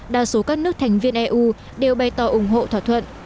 đa số các nước thành viên eu đều bày tỏ ủng hộ thỏa thuận